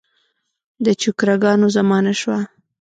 د چوکره ګانو زمانه شوه.